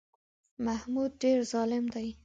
محمود ډېر ظالم دی.